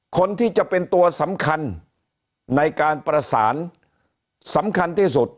คนที่จะเป็นตัวสำคัญในการประสานสำคัญที่สุด